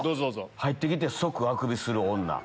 入って来て即あくびする女。